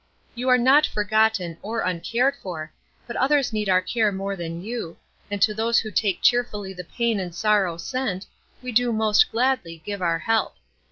You are not forgotten or uncared for, but others need our care more than you, and to those who take cheerfully the pain and sorrow sent, do we most gladly give our help.